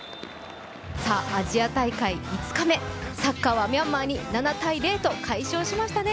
アジア大会５日目サッカーはミャンマーに７−０と快勝しましたね。